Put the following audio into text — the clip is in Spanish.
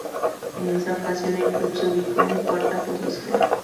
En esa ocasión, el club se ubicó en cuarta posición.